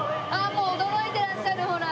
もう驚いてらっしゃるほら。